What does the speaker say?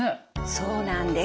そうなんです。